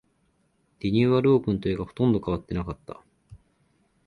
リニューアルオープンというが、ほとんど変わってなかった